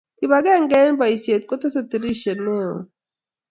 Kibakenge eng boisie kotesei turishe ne oo.